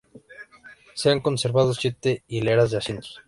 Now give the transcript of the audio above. Se han conservado siete hileras de asientos.